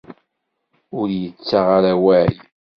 Ur yettaɣ ara awal.